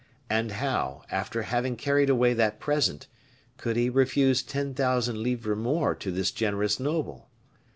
And how, after having carried away that present, could he refuse ten thousand livres more to this generous noble?